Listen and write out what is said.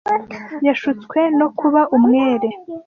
Yashutswe no kuba umwere.